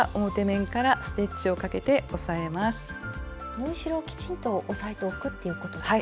縫い代をきちんと押さえておくっていうことですか。